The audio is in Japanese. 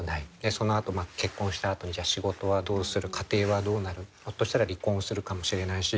そのあと結婚したあとに仕事はどうする家庭はどうなるひょっとしたら離婚するかもしれないし。